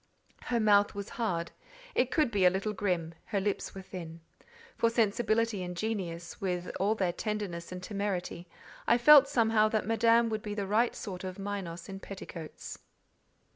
Her mouth was hard: it could be a little grim; her lips were thin. For sensibility and genius, with all their tenderness and temerity, I felt somehow that Madame would be the right sort of Minos in petticoats.